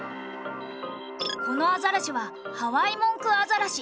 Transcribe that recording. このアザラシはハワイ・モンク・アザラシ。